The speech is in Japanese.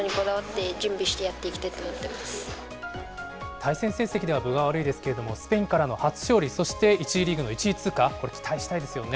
対戦成績では分が悪いですけれども、スペインからの初勝利、そして１次リーグの１位通過、これ、期待したいですよね。